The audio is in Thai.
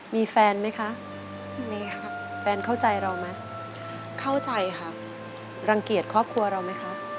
มีแฟนไหมคะแฟนเข้าใจเรามั้ยลังเกียจครอบครัวเรามั้ยคะ